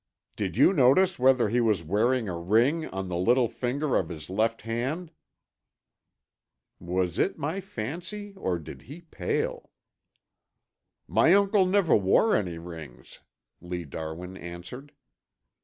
"Did you notice whether he was wearing a ring on the little finger of his left hand?" Was it my fancy, or did he pale? "My uncle never wore any rings," Lee Darwin answered.